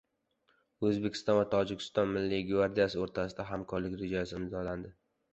O‘zbekiston va Tojikiston Milliy gvardiyasi o‘rtasida hamkorlik rejasi imzolandi